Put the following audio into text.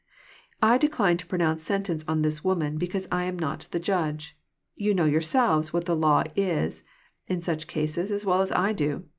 "I decline to pronounce sentence on this woman, becanse I am not the Jndge. Ton know yoorselTes what the law is in snch cases as well as I do.